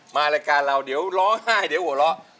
รายการเราเดี๋ยวร้องไห้เดี๋ยวหัวเราะ